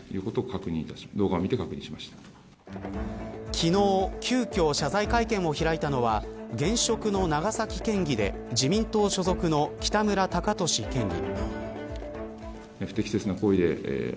昨日、急きょ謝罪会見を開いたのは現職の長崎県議で自民党所属の北村貴寿県議。